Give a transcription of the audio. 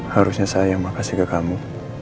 harusnya saya yang makasih ke kamu